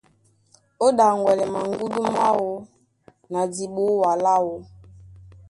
Ó ɗaŋgwɛlɛ maŋgúndú máō na diɓoa láō.